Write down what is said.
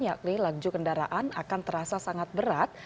yakni laju kendaraan akan terasa sangat berat